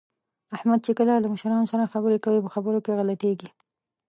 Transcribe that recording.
احمد چې کله له مشرانو سره خبرې کوي، په خبرو کې غلطېږي